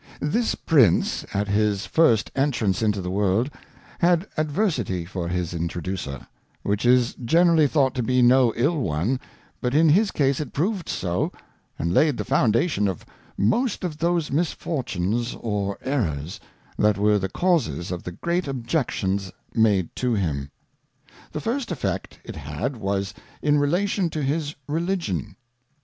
This Prince at his first entrance into the World had Adversity for his Introducer, which is generally thought to be no ill one, but in his case it proved so, and laid the foundation of most of those Misfortunes or Errors, that were the causes of the great Objections made to him. The first Effect it had was in relation to his Religion.